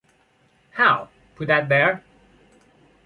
How! Put that there?